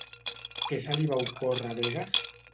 Què se li va ocórrer a Begues?